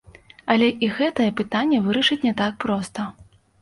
Але і гэтае пытанне вырашыць не так проста.